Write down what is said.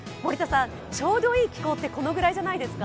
ちょうどいい気候ってこのくらいじゃないですか？